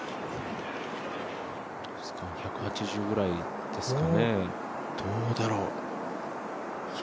１８０くらいですかね。